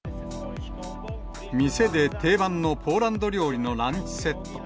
店で定番のポーランド料理のランチセット。